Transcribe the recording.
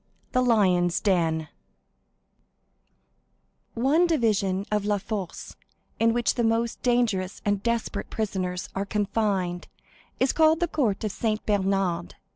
The Lions' Den One division of La Force, in which the most dangerous and desperate prisoners are confined, is called the court of Saint Bernard.